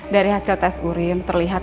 dari hasil tes urin terlihat